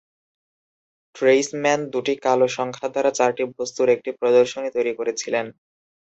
Treisman দুটি কালো সংখ্যা দ্বারা চারটি বস্তুর একটি প্রদর্শনী তৈরি করেছিলেন।